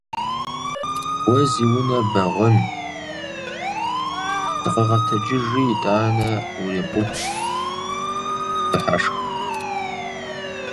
Уэ зи унэр бэгъуэн! Сыкъэгъэтэджыжи итӏанэ урикъуху дыхьэшх!